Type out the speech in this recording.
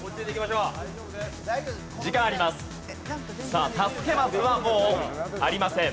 さあ助けマスはもうありません。